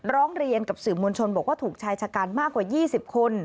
ร้องเรียนกับสื่อมวลชนบอกว่าถูกชายชะกันมากกว่า๒๐คน